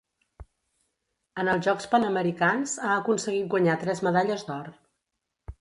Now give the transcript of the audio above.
En els Jocs Panamericans ha aconseguit guanyar tres medalles d'or.